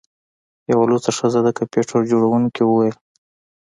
یوه لوڅه ښځه د کمپیوټر جوړونکي وویل